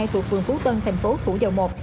từ phường phú tân thành phố thủ dồng một